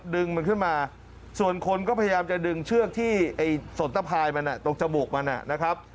ดึงมันขึ้นมาส่วนคนก็พยายามจะดึงเชือกที่ไอ้สนตะพายมันตรงจมูกมันนะครับ